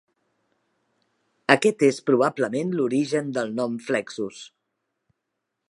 Aquest és probablement l'origen del nom "flexus".